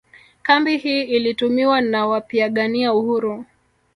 Kambi hii ilitumiwa na wapiagania uhuru